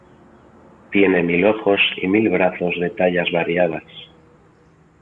Tiene mil ojos y mil brazos de tallas variadas.